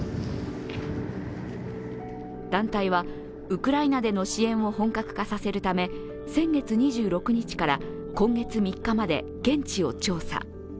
団体は、ウクライナでの支援を本格化させるため、先月２６日から今月３日まで、現地を調査。